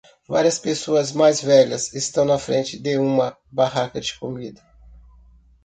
Várias pessoas mais velhas estão na frente de uma barraca de comida.